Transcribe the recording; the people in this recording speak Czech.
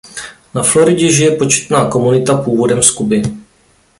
Na Floridě žije početná komunita původem z Kuby.